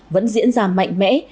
vẫn diễn ra mạnh mẽ